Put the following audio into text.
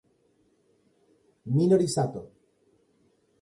Minori Sato